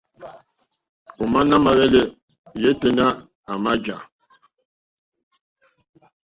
Òmá nà mà hwɛ́lɛ́ yêténá à mà jǎ.